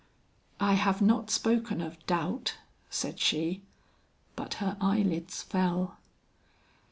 "I have not spoken of doubt," said she, but her eyelids fell.